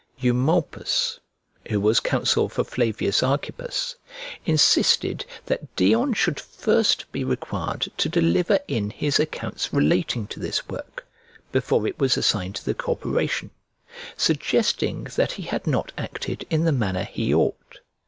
Eumolpus, who was counsel for Flavius Archippus, insisted that Dion should first be required to deliver in his accounts relating to this work, before it was assigned to the corporation; suggesting that he had not acted in the manner he ought.